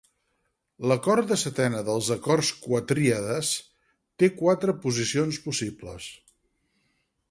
L"acord de setena dels acords quatríades té quatre posicions possibles.